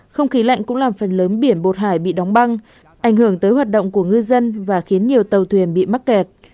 không khí lạnh cũng làm phần lớn biển bột hải bị đóng băng ảnh hưởng tới hoạt động của ngư dân và khiến nhiều tàu thuyền bị mắc kẹt